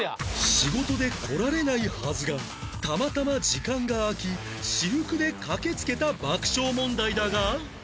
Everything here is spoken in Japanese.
仕事で来られないはずがたまたま時間が空き私服で駆け付けた爆笑問題だが